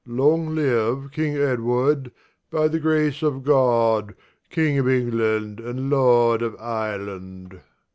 _ Long live King Edward, by the grace of God King of England and Lord of Ireland!